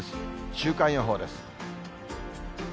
週間予報です。